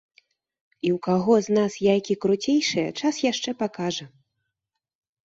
І ў каго з нас яйкі круцейшыя, час яшчэ пакажа.